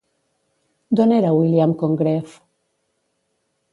D'on era William Congreve?